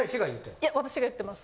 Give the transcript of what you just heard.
いや私が言ってます。